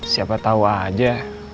siapa tau aja